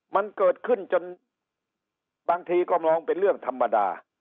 มันเกิดขึ้นจนบางทีก็มองเป็นเรื่องธรรมดา